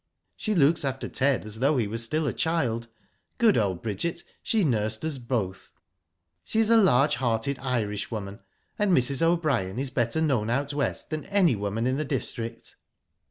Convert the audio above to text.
'* She looks after Ted as though he were still a child. Good old Bridget, she nursed us both. She is a large hearted Irish woman, and Mrs. O'Brien is better known out West than any woman in the district."